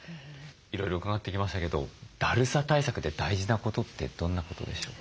いろいろ伺ってきましたけどだるさ対策で大事なことってどんなことでしょうか？